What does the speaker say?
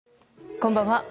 こんばんは。